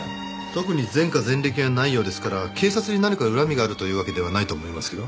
特に前科前歴はないようですから警察に何か恨みがあるというわけではないと思いますけど。